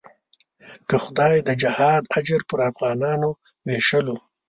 که خدای د جهاد اجر پر افغانانو وېشلو.